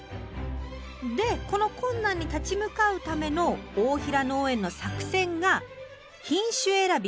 でこの困難に立ち向かうための大平農園の作戦が「品種選び」。